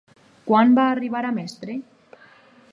Quan va arribar a mestre?